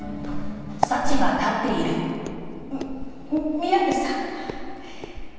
み宮部さん。